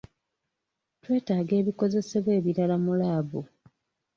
Twetaaga ebikozesebwa ebirala mu laabu.